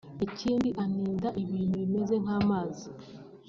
Ikindi aninda ibintu bimeze nk’amazi